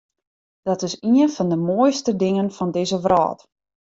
Dat is ien fan de moaiste dingen fan dizze wrâld.